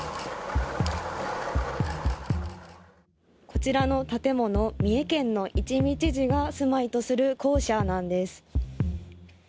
こちらの建物、三重県の一見知事が住まいとする公舎なんです。